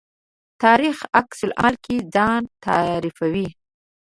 تاریخ عکس العمل کې ځان تعریفوي.